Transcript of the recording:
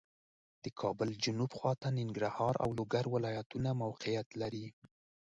د کابل جنوب خواته ننګرهار او لوګر ولایتونه موقعیت لري